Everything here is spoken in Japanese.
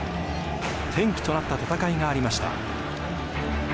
転機となった戦いがありました。